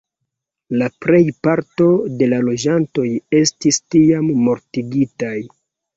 La plejparto de la loĝantoj estis tiam mortigitaj.